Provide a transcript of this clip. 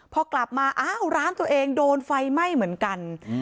พอกลับมาอ้าวร้านตัวเองโดนไฟไหม้เหมือนกัน